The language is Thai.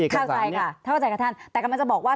เข้าใจค่ะท่านแต่กำลังจะบอกว่า